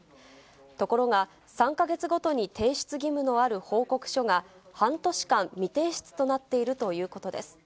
ところが、３か月ごとに提出義務のある報告書が半年間、未提出となっているということです。